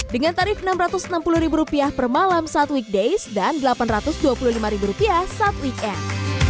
dengan tarif rp enam ratus enam puluh per malam saat weekdays dan rp delapan ratus dua puluh lima saat weekend